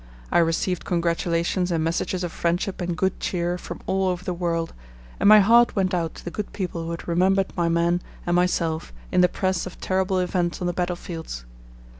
I received congratulations and messages of friendship and good cheer from all over the world, and my heart went out to the good people who had remembered my men and myself in the press of terrible events on the battlefields.